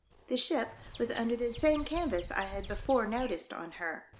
The ship was under the same canvas I had before noticed on her.